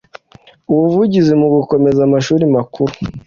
ubuvugizi mu gukomeza amashuri makuru